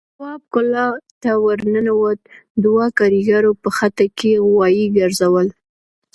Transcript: تواب کلا ته ور ننوت، دوو کاريګرو په خټه کې غوايي ګرځول.